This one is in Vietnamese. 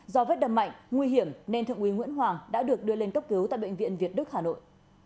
do vết đâm mạnh nguy hiểm nên thượng úy nguyễn hoàng đã được đưa lên cấp cứu tại bệnh viện việt đức hà nội